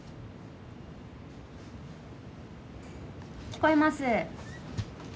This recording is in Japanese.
聞こえます。